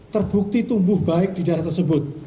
terbukti tumbuh baik di daerah tersebut